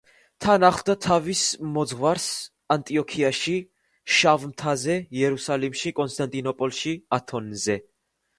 თან ახლდა თავის მოძღვარს ანტიოქიაში, შავ მთაზე, იერუსალიმში, კონსტანტინოპოლში, ათონზე.